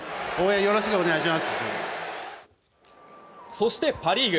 そして、パ・リーグ。